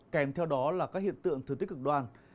kèm theo đó là các hiện tượng thừa tích cực đoan